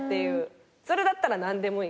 それだったら何でもいい。